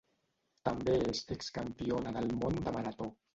També és ex-campiona del món de marató.